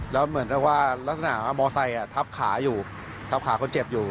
แล้วเหมือนกับว่าลักษณะมอไซค์ทับขาอยู่ทับขาคนเจ็บอยู่